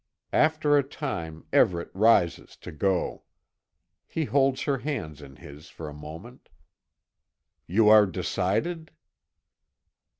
After a time Everet rises to go. He holds her hands in his for a moment: "You are decided?"